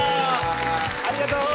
ありがとう！